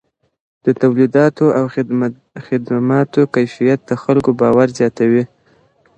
د توليداتو او خدماتو کیفیت د خلکو باور زیاتوي.